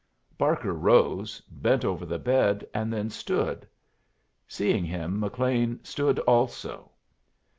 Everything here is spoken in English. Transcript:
Barker rose, bent over the bed, and then stood. Seeing him, McLean stood also.